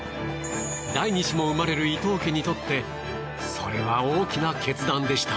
第２子も生まれる伊藤家にとってそれは大きな決断でした。